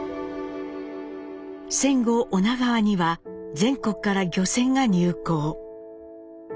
戦後女川には全国から漁船が入港。